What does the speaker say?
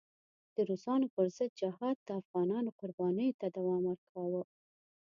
د روسانو پر ضد جهاد د افغانانو قربانیو ته دوام ورکاوه.